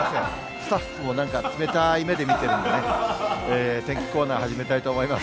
スタッフも、なんか冷たい目で見てるんでね、天気コーナー、始めたいと思います。